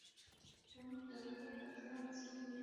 আমি ক্যামেরার কাছে আছি, কিন্তু আমি দেখতে পারছি না।